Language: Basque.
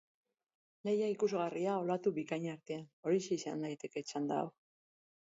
Lehia ikusgarria olatu bikain artean, horixe izan daiteke txanda hau.